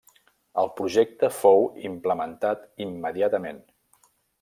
El projecte fou implementat immediatament.